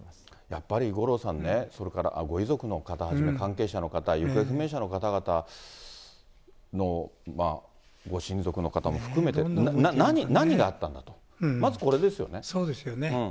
やっぱり五郎さんね、それからご遺族の方はじめ関係者の方、行方不明者の方々のご親族の方も含めて、何があったんだと、まずそうですよね。